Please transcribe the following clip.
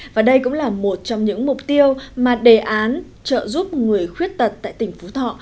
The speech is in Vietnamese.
và đây cũng là một trong những mục tiêu mà đề án trợ giúp người khuyết tật tại tỉnh phú thọ